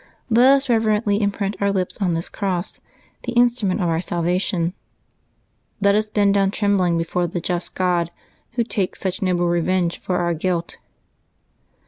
Let us rever ently imprint our lips on this cross, the instrument of our salvation ; let us bend down trembling before the just God, Who takes such noble revenge for our guilt.